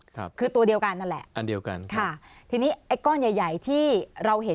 ครับคือตัวเดียวกันนั่นแหละค่ะทีนี้ไอ้ก้อนใหญ่ที่เราเห็น